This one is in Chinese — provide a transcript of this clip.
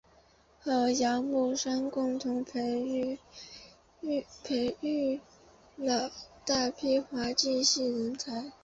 和姚慕双共同培育了大批滑稽戏人才。